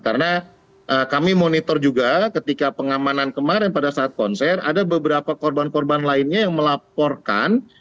karena kami monitor juga ketika pengamanan kemarin pada saat konser ada beberapa korban korban lainnya yang melaporkan